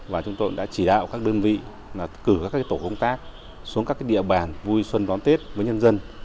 và chúng tôi đã chỉ đạo các đơn vị cử các tổ công tác xuống các địa bàn vui xuân đón tết với nhân dân